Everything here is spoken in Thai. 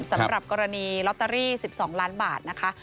สำหรับกรณีลอตเตอรี่๑๒ล้านบาทนะคะ